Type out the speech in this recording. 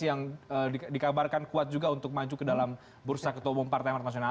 yang dikabarkan kuat juga untuk maju ke dalam bursa ketahuan partai amanat nasional